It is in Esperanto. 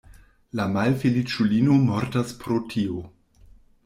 La malfeliĉulino mortas pro tio.